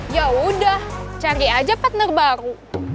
yaudah cari aja partner baru